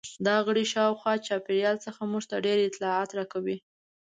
دا غړي شاوخوا چاپیریال څخه موږ ته ډېر اطلاعات راکوي.